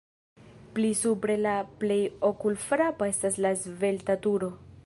Pli supre la plej okulfrapa estas la svelta turo.